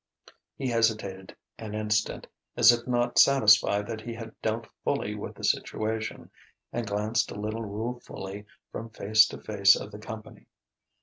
He hesitated an instant, as if not satisfied that he had dealt fully with the situation, and glanced a little ruefully from face to face of the company.